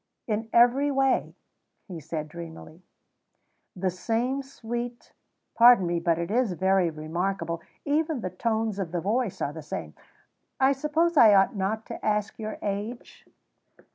"In every way," he said dreamily; "the same sweet pardon me, but it is very remarkable. Even the tones of the voice are the same. I suppose I ought not to ask your age?"